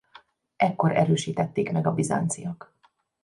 Ekkor erősítették meg a bizánciak.